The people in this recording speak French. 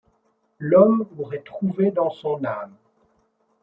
L’homme aurait trouvé dans son âme